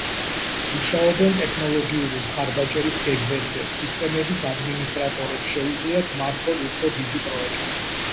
მუშაობენ ტექნოლოგიური მხარდაჭერის გეგმებზე სისტემების ადმინისტრატორებს შეუძლიათ მართონ უფრო დიდი პროექტი